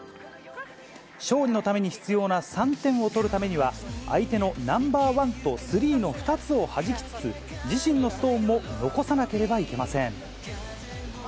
勝利のために必要な３点を取るためには、相手のナンバー１と３の２つをはじきつつ、自身のストーンも残さなければいけません。